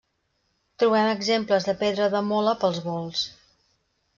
Trobem exemples de pedra de mola pels vols.